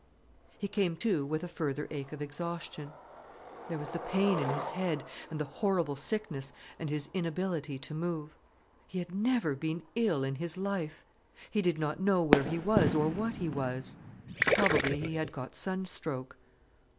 He came to with a further ache of exhaustion. There was the pain in his head, and the horrible sickness, and his inability to move. He had never been ill in his life. He did not know where he was or what he was. Probably he had got sunstroke.